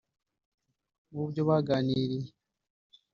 Mu byo baganiriye